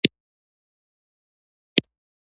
دوی د مسلمانېدو مخکې ډېرې جالبې خاطرې شریکې کړې.